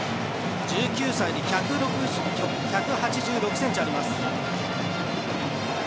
１９歳、１８６ｃｍあります。